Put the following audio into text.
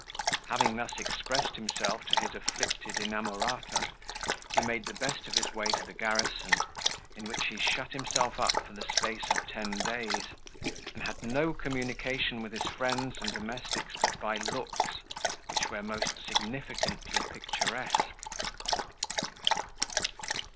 Having thus expressed himself to his afflicted inamorata, he made the best of his way to the garrison, in which he shut himself up for the space of ten days, and had no communication with his friends and domestics but by looks, which were most significantly picturesque.